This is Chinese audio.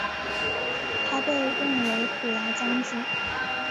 他被任为虎牙将军。